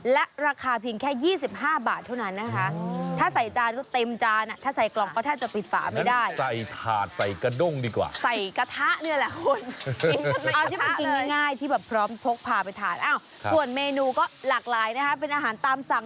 และราคาเพียงแค่๒๕บาทเท่านั้น